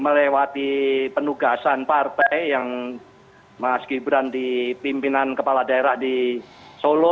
melewati penugasan partai yang mas gibran di pimpinan kepala daerah di solo